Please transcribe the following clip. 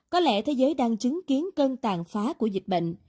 có lẽ thế giới đang chứng kiến cơn tàn phá của dịch bệnh